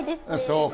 そうか。